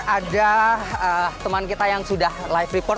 ada teman kita yang sudah live report